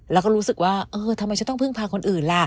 แล้วก็รู้สึกว่าเออทำไมฉันต้องพึ่งพาคนอื่นล่ะ